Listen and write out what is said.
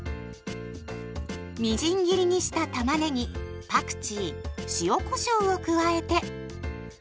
みじん切りにしたたまねぎパクチー塩こしょうを加えて。